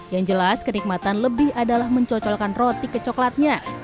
yang jelas kenikmatan lebih adalah mencocolkan roti ke coklatnya